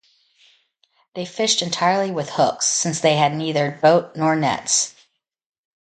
They fished entirely with hooks since they had neither boat nor nets.